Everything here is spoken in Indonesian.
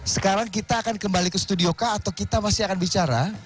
sekarang kita akan kembali ke studio kah atau kita masih akan bicara